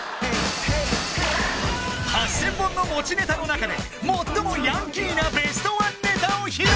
８０００本の持ちネタの中で最もヤンキーなベストワンネタを披露